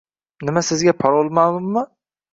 Nima, sizga parol ma`lummi